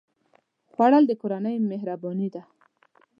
خوړل د کورنۍ مهرباني ده